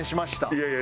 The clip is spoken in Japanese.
いやいや